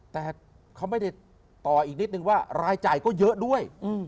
แต่เขาไม่ได้ต่ออีกนิดนึงว่ารายจ่ายก็เยอะด้วย